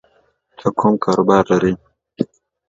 ته کوم کاروبار لری